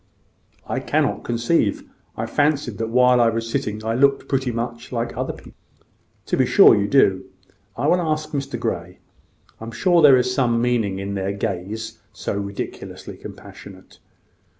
"I cannot conceive. I fancied that while I was sitting I looked pretty much like other people." "To be sure you do. I will ask Mr Grey. I am sure there is some meaning in their gaze so ridiculously compassionate."